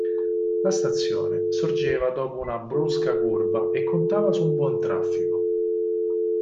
La stazione sorgeva dopo una brusca curva e contava su un buon traffico.